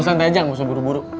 oh santai aja gak usah buru buru